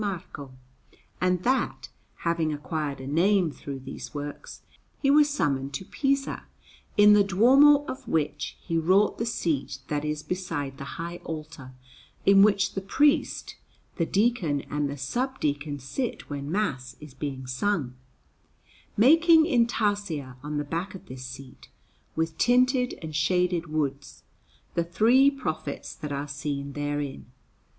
Marco; and that, having acquired a name through these works, he was summoned to Pisa, in the Duomo of which he wrought the seat that is beside the high altar, in which the priest, the deacon, and the sub deacon sit when Mass is being sung; making in tarsia on the back of this seat, with tinted and shaded woods, the three prophets that are seen therein.